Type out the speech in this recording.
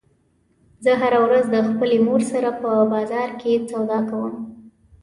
زه هره ورځ د خپلې مور سره په بازار کې سودا کوم